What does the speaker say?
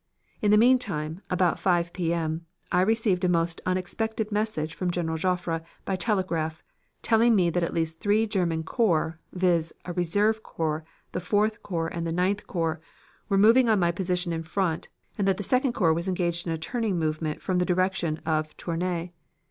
In the meantime, about 5 P. M., I received a most unexpected message from General Joffre by telegraph, telling me that at least three German corps, viz., a reserve corps, the Fourth Corps and the Ninth Corps, were moving on my position in front, and that the Second Corps was engaged in a turning movement from the direction of Tournay.